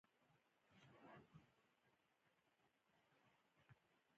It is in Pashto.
افغانستان تر هغو نه ابادیږي، ترڅو هر وګړی ځانته عزتمن کار ونه لري.